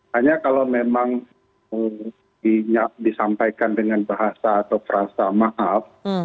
hanya kalau memang disampaikan dengan bahasa atau perasa maaf